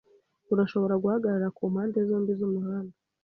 Urashobora guhagarara ku mpande zombi z'umuhanda .